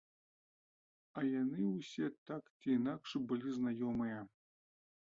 А яны ўсе так ці інакш былі знаёмыя.